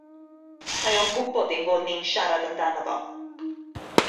Mae o'n gwybod ein bod ni'n siarad amdano fo.